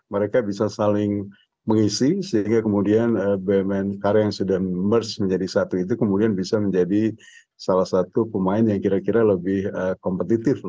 mereka bisa saling mengisi sehingga kemudian bumn karya yang sudah merge menjadi satu itu kemudian bisa menjadi salah satu pemain yang kira kira lebih kompetitif